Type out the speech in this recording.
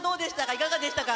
いかがでしたか？